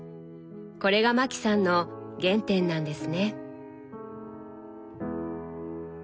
これがマキさんの原点なんですね。